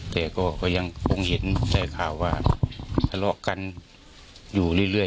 แต่ก็ยังคงเห็นได้ข่าวว่าทะเลาะกันอยู่เรื่อย